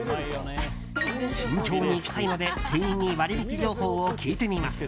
慎重にいきたいので店員に割引情報を聞いてみます。